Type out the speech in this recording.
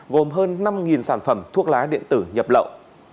gồm hơn năm sản phẩm thuốc lá điện tử nhập lậu